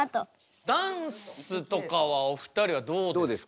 ダンスとかはお二人はどうですか？